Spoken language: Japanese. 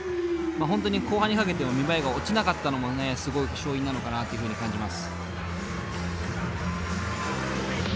本当に後半にかけても見栄えが落ちなかったのもすごい勝因なのかなっていうふうに感じます。